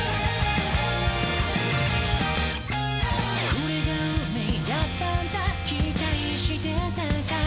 「これが運命だったんだ、期待してたかい？」